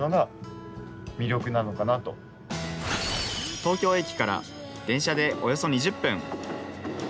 東京駅から電車でおよそ２０分。